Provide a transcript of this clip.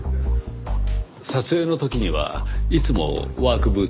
撮影の時にはいつもワークブーツを？